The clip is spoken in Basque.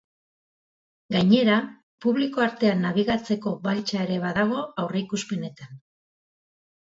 Gainera, publiko artean nabigatzeko baltsa ere badago aurreikuspenetan.